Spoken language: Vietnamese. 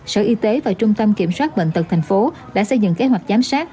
sở y tế và trung tâm kiểm soát bệnh tật thành phố đã xây dựng kế hoạch giám sát